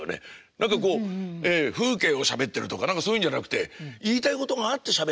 何かこう風景をしゃべってるとか何かそういうんじゃなくて言いたいことがあってしゃべってんだ。